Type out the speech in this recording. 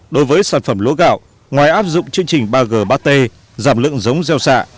đối với sản phẩm lúa gạo ngoài áp dụng chương trình ba g ba t giảm lượng giống gieo xạ